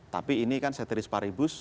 tapi ini kan seteris paribus